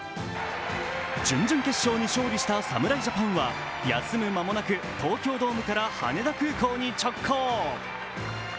準々決勝に勝利した侍ジャパンは休む間もなく、東京ドームから羽田空港に直行。